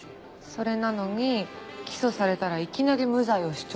それなのに起訴されたらいきなり無罪を主張し始めた。